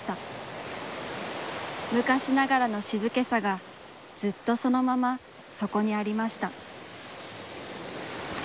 むかしながらの静けさが、ずっとそのまま、そこにありました。